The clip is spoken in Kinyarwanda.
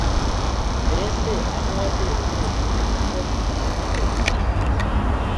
“mbese aho wabereye hari ubwo wategetse ko bucya,